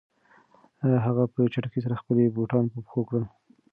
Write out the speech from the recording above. هغه په چټکۍ سره خپلې بوټان په پښو کړل.